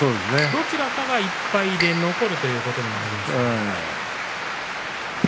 どちらかが１敗で残るということになります。